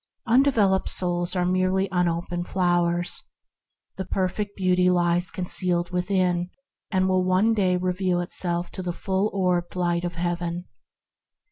Undeveloped souls are merely unoped flowers. The perfect Beauty lies concealed within, and will one day reveal itself to the full orbed light of Heaven.